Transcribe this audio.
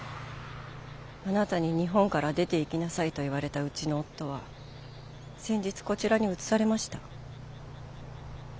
あなたに日本から出ていきなさいと言われたうちの夫は先日こちらに移されました。